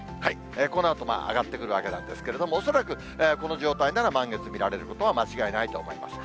このあと上がってくるわけなんですけれども、恐らくこの状態なら、満月見られることは間違いないと思います。